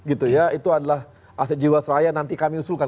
itu adalah aset jiwa saya nanti kami usulkan